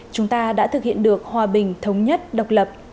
chúng ta đã thực hiện được hòa bình thống nhất độc lập